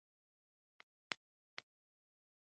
خو دا پوښتنه مې ډېره خوښه شوه.